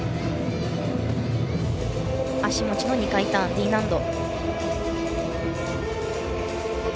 足持ちの２回ターン、Ｄ難度。